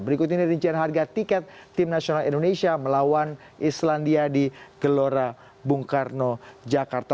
berikut ini rincian harga tiket timnas indonesia melawan islandia di gelora bukarno jakarta